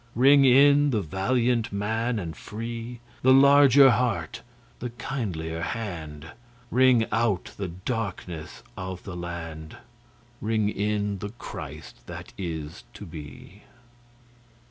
Ring in the valiant man and free, The larger heart, the kindlier hand; Ring out the darkenss of the land, Ring in the Christ that is to be.